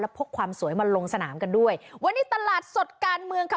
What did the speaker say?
พกความสวยมาลงสนามกันด้วยวันนี้ตลาดสดการเมืองค่ะ